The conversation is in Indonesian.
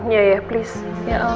iya ya please